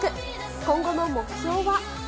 今後の目標は。